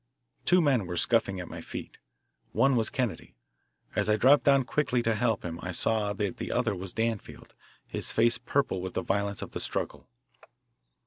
Two men were scuffing at my feet. One was Kennedy. As I dropped down quickly to help him I saw that the other was Danfield, his face purple with the violence of the struggle.